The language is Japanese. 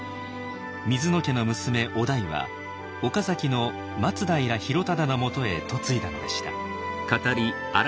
水野家の娘於大は岡崎の松平広忠のもとへ嫁いだのでした。